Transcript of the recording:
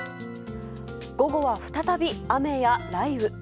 午後は再び雨や雷雨。